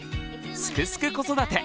「すくすく子育て」